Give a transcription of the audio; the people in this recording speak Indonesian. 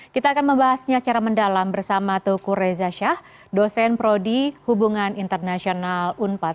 kita akan membahasnya secara mendalam bersama tuku reza shah dosen prodi hubungan internasional unpad